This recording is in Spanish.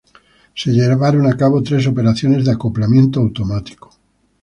Se llevaron a cabo tres operaciones de acoplamiento automático.